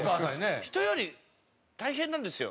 人より大変なんですよ。